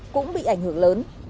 cũng bị ảnh hưởng lớn